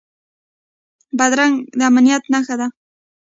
بدرګه د امنیت نښه ده